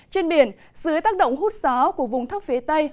trên biển dưới tác động hút gió của vùng thấp phía tây